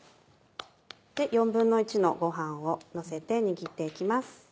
１／４のご飯をのせて握って行きます。